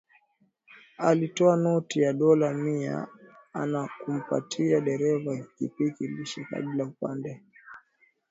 Alitoa noti ya dola mi ana kumpatia dereva pikipiki kisha akabadili upande aliosimama